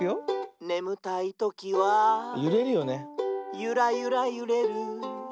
「ねむたいときはユラユラゆれる」